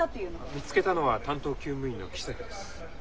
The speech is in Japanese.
見つけたのは担当厩務員の木崎です。